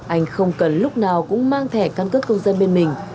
anh không cần lúc nào cũng mang thẻ căn cước công dân bên mình